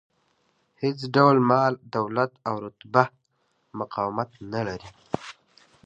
هېڅ ډول مال، دولت او رتبه مقاومت نه لري.